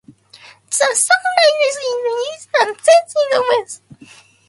The sun rises in the east and sets in the west.